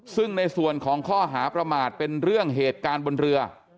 ซึ่งในส่วนของข้อหาประมาทเป็นเรื่องเหตุการณ์บนเรือ